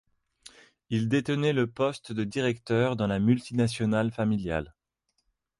Il détenait le poste de directeur dans la multinationale familiale.